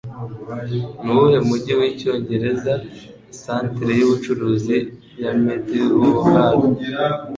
Nuwuhe mujyi wicyongereza Centre y'Ubucuruzi ya Meadowhall?